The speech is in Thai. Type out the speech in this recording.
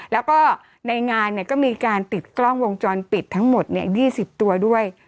แล้วก็ในงานก็มีการติดกล้องวงจรปิดทั้งหมด๒๐ตัวด้วย